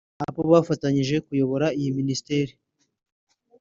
abo bafatanyije kuyobora iyi Minisiteri